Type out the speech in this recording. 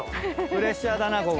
プレッシャーだなここ。